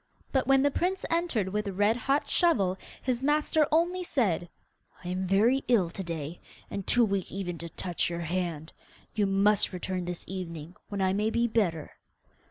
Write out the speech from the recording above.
But when the prince entered with the red hot shovel his master only said, 'I am very ill to day, and too weak even to touch your hand. You must return this evening, when I may be better.